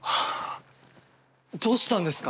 どうしたんですか？